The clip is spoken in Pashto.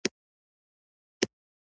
«نقد ګفتمان دیني» کتاب مې راواخلم.